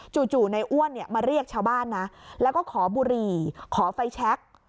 จู่ในอ้วนเนี่ยมาเรียกชาวบ้านนะแล้วก็ขอบุหรี่ขอไฟแชค